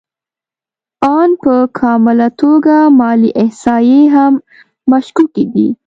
آن په کامله توګه مالي احصایې هم مشکوکې دي